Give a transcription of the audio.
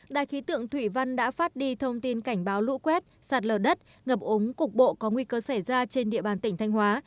đài khí tượng thủy văn đã phát đi thông tin cảnh báo lũ quét sạt lở đất ngập ống cục bộ có nguy cơ xảy ra trên địa bàn tỉnh thanh hóa